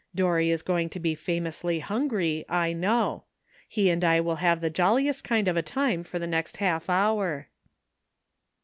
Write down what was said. Dorry is going to be famously hungry, I know. He and I will have the jolli est kind of a time for the next half hour."